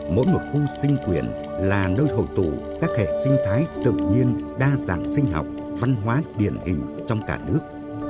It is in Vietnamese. mỗi một khu sinh quyền là nơi hậu tụ các hệ sinh thái tự nhiên đa dạng sinh học văn hóa điển hình trong cả nước